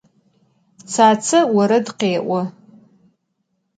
Tsatse vored khê'o.